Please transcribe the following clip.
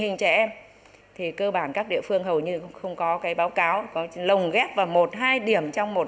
hình trẻ em cơ bản các địa phương hầu như không có báo cáo có lồng ghép vào một hai điểm trong một